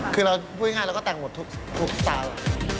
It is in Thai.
คือเราก็ตั้งหมดทุกสัตว์